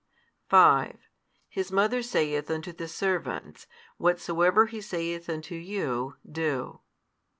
5 His mother saith unto the servants, Whatsoever He saith unto you, do.